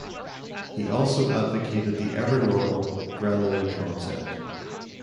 He also advocated the ever-normal granary concept.